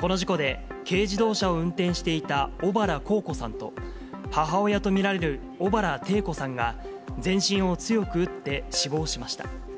この事故で、軽自動車を運転していた小原幸子さんと、母親と見られる小原テイ子さんが、全身を強く打って死亡しました。